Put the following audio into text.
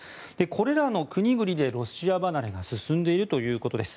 これらの国々でロシア離れが進んでいるということです。